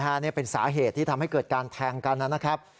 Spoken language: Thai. นี่เป็นสาเหตุที่ทำให้เกิดการแทงกันนะครับ